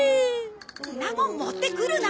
そんなもん持ってくるな！